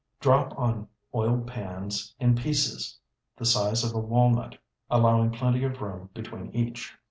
Drop on oiled pans in pieces the size of a walnut, allowing plenty of room between each.